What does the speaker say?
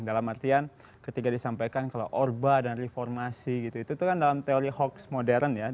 dalam artian ketika disampaikan kalau orba dan reformasi gitu itu kan dalam teori hoax modern ya